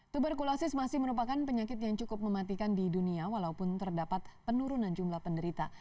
tuberkulosis masih merupakan penyakit yang cukup mematikan di dunia walaupun terdapat penurunan jumlah penderita